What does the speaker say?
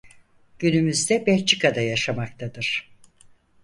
Günümüzde Belçika'da yaşamaktadır.